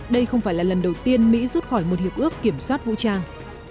đây không phải là lần đầu tiên mỹ rút khỏi một hiệp ước kiểm soát vũ trang